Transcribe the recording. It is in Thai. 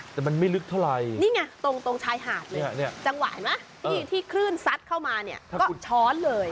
แต่มันไม่ลึกเท่าไหร่นี่ไงตรงชายหาดเลยจังหวะเห็นไหมที่คลื่นซัดเข้ามาเนี่ยก็ช้อนเลย